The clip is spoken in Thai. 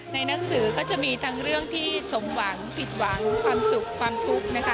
หนังสือก็จะมีทั้งเรื่องที่สมหวังผิดหวังความสุขความทุกข์นะคะ